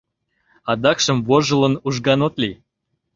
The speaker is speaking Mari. Адакшым, вожылын, ужган от лий.